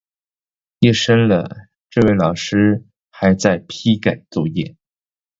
夜深了，这位老师还在批改作业